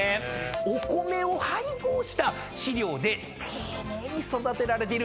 お米を配合した飼料で丁寧に育てられているんです。